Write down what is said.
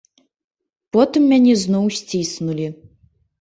Потым мяне зноў сціснулі.